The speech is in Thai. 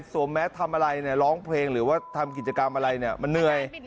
สวมแมสทำอะไรร้องเพลงหรือทำกิจกรรมอะไร่มันเหนื่อย